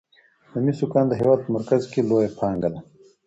د مسو کان د هیواد په مرکز کې لویه پانګه ده.